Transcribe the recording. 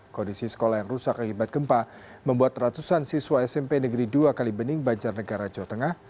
kondisi sekolah yang rusak akibat gempa membuat ratusan siswa smp negeri dua kali bening banjar negara jawa tengah